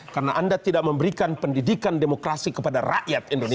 karena anda tidak memberikan pendidikan demokrasi kepada rakyat indonesia